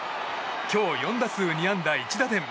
今日、４打数２安打１打点。